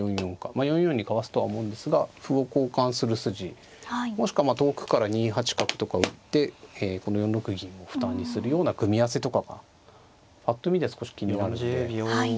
まあ４四にかわすとは思うんですが歩を交換する筋もしくは遠くから２八角とか打ってこの４六銀を負担にするような組み合わせとかがぱっと見で少し気になるので。